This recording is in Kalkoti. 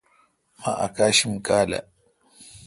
مہ اکاشم کالہ۔